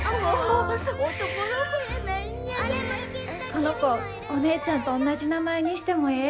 この子お姉ちゃんとおんなじ名前にしてもええ？